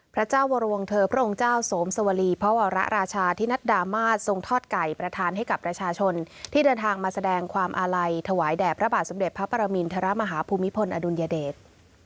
พระเจ้าวรวงเธอพระองค์เจ้าสวมสวรีพระวรราชาธินัดดามาสทรงทอดไก่ประธานให้กับประชาชนที่เดินทางมาแสดงความอาลัยถวายแด่พระบาทสมเด็จพระปรมินทรมาฮภูมิพลอดุลยเดช